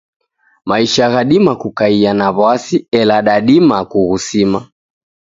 Maisha ghadima kukaya na w'asi ela dadima kughusima.